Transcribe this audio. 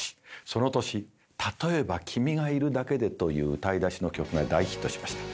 その年「たとえば君がいるだけで」という歌い出しの曲が大ヒットしました。